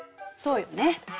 そうよね。